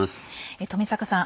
富坂さん